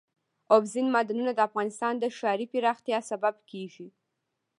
اوبزین معدنونه د افغانستان د ښاري پراختیا سبب کېږي.